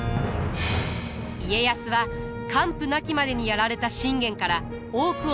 家康は完膚なきまでにやられた信玄から多くを学び取ります。